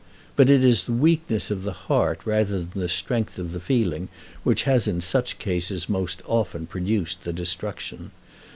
But it is the weakness of the heart rather than the strength of the feeling which has in such cases most often produced the destruction.